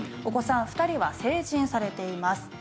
お子さん２人は成人されています。